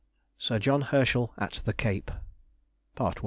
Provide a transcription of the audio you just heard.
SIR JOHN HERSCHEL AT THE CAPE.